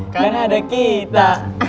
kan ada kita